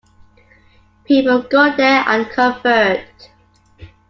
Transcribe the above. People go there and convert.